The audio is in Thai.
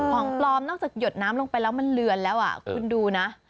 ของปลอมนอกจากหยดน้ำลงไปแล้วมันเลือนแล้วคุณดูนะ